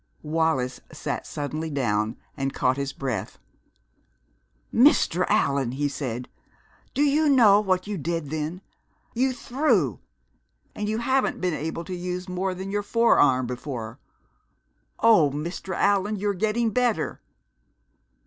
Wallis sat suddenly down and caught his breath. "Mr. Allan!" he said. "Do you know what you did then? You threw, and you haven't been able to use more than your forearm before! Oh, Mr. Allan, you're getting better!"